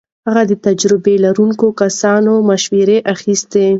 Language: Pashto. هغه د تجربه لرونکو کسانو مشوره اخيسته.